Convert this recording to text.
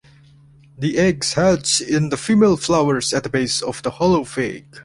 The eggs hatch in the female flowers at the base of the hollow fig.